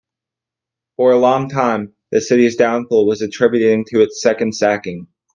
For a long time, the city's downfall was attributed to its second sacking.